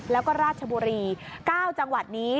แล้วก็ราชบุรี๙จังหวัดนี้